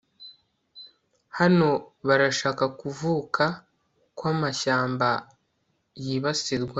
hano barashaka kuvuka ko amashyamba yibasirwa